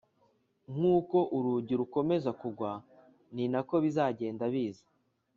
Nk uko urugi rukomeza kugwa ninako bizagenda biza